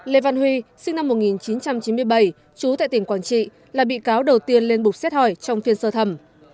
lê văn huy sinh năm một nghìn chín trăm chín mươi bảy chú tại tỉnh quảng trị là bị cáo đầu tiên lên bục xét hỏi trong phiên sơ thẩm